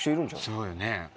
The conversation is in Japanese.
そうよね。